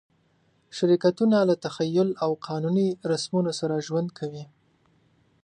شرکتونه له تخیل او قانوني رسمونو سره ژوند کوي.